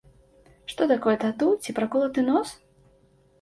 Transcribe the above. Што такое тату ці праколаты нос?